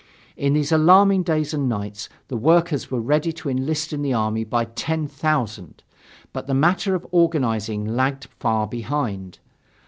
In these alarming days and nights, the workers were ready to enlist in the army by the ten thousand. But the matter of organizing lagged far behind.